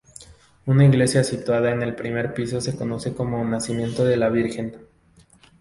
Una iglesia situada en el primer piso se conoce como Nacimiento de la Virgen.